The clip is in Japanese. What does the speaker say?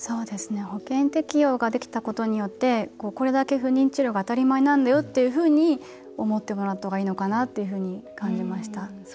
保険適用ができたことによってこれだけ不妊治療が当たり前なんだよっていうふうに思ってもらった方がいいのかなって感じました。